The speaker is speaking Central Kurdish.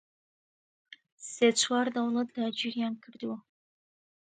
سێ چوار دەوڵەت داگیریان کردووە